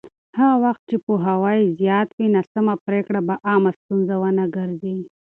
هغه وخت چې پوهاوی زیات وي، ناسمه پرېکړه به عامه ستونزه ونه ګرځي.